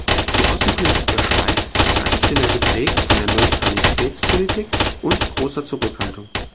Die Aussenpolitik der Schweiz war traditionell geprägt von der Neutralitätspolitik und grosser Zurückhaltung.